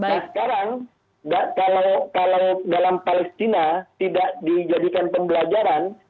nah sekarang kalau dalam palestina tidak dijadikan pembelajaran